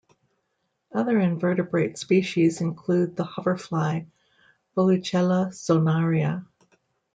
Other invertebrate species include the hoverfly "Volucella zonaria".